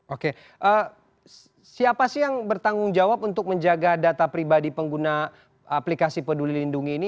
oke siapa sih yang bertanggung jawab untuk menjaga data pribadi pengguna aplikasi peduli lindungi ini